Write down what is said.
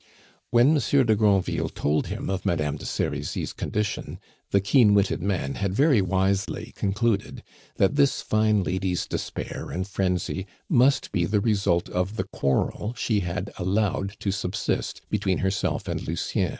When Monsieur de Granville told him of Madame de Serizy's condition, the keen witted man had very wisely concluded that this fine lady's despair and frenzy must be the result of the quarrel she had allowed to subsist between herself and Lucien.